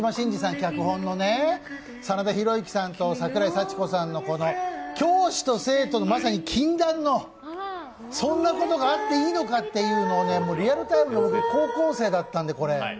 脚本の真田広之さんと桜井幸子さんの教師と生徒のまさに禁断の、そんなことがあっていいのかというのをリアルタイムの高校生だったので、これ。